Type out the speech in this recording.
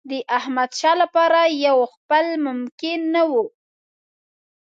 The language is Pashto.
د احمدشاه لپاره یې ځپل ممکن نه وو.